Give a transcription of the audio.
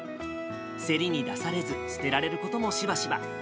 競りに出されず捨てられることもしばしば。